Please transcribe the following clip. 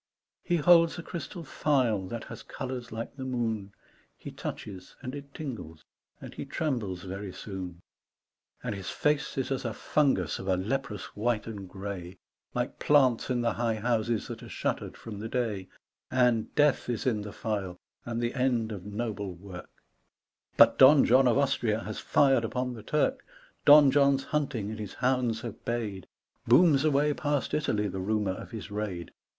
He holds a crystal phial that has colours like the moon, He touches, and it tingles, and he trembles very soon,. 42 G. K. CHESTERTON And his face is as a fungus of a leprous white and grey, Like plants in the high houses that are shuttered from the day, And death is the phial and the end of noble work, But Don John of Austria has fired upon the Turk. Don John's hunting, and his hounds have bayed Booms away past Italy the rumour of his raid.